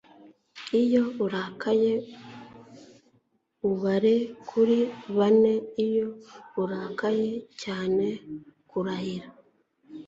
Iyo urakaye ubare kuri bane Iyo urakaye cyane kurahira